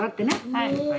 はい。